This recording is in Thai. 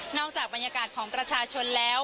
จากบรรยากาศของประชาชนแล้ว